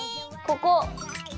ここ。